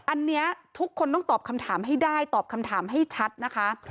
อันนี้ทุกคนต้องตอบคำถามให้ได้ตอบคำถามให้ชัดนะคะ